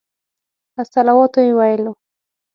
الصلواة یې ویلو.